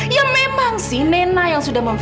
ya memang sih nena yang sudah berubah